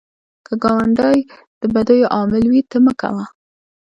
که ګاونډی د بدیو عامل وي، ته مه کوه